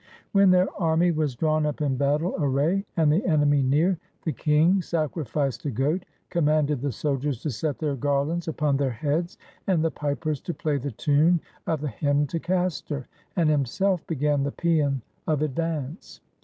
When their army was drawn up in battle array and the enemy near, the king sacrificed a goat, commanded the soldiers to set their garlands upon their heads, and the pipers to play the tune of the hymn to Castor, and himself began the paean of advance.